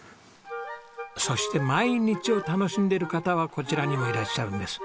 そして毎日を楽しんでる方はこちらにもいらっしゃるんです。